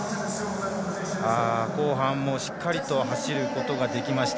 後半も、しっかりと走ることができました。